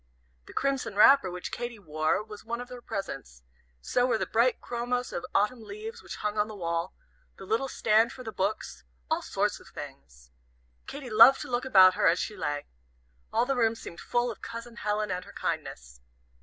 The crimson wrapper which Katy wore was one of her presents, so were the bright chromos of Autumn leaves which hung on the wall, the little stand for the books all sorts of things. Katy loved to look about her as she lay. All the room seemed full of Cousin Helen and her kindness.